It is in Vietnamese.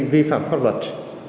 vi phạm pháp luật